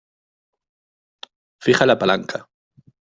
fija la palanca.